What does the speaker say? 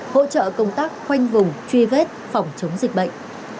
hỗ trợ công tác khoanh vùng truy vết phòng chống dịch bệnh